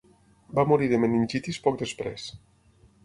Va morir de meningitis poc després.